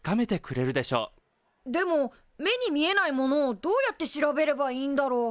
でも目に見えないものをどうやって調べればいいんだろう？